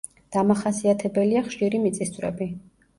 დამახასიათებელია ხშირი მიწისძვრები.